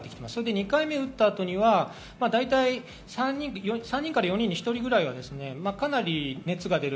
２回目の後は、３人から４人に１人ぐらいはかなり熱が出る。